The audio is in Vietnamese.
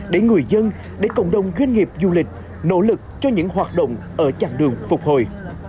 để người dân để cộng đồng doanh nghiệp du lịch nỗ lực cho những hoạt động ở chặng đường phục hồi